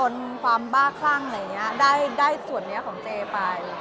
นี่มีเรื่องชอบไทยส่วนนี่ของเจปาย